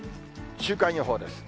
週間予報です。